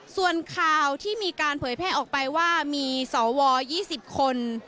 ส่วนข่าวที่มีการเผยแพร่ออกไปว่ามีสว๒๐คน